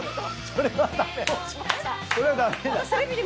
それは駄目だ。